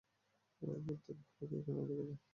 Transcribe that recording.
প্রত্যেক ভালুকই এখানের অন্তর্গত।